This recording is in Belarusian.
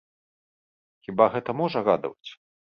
Хіба гэта можа радаваць?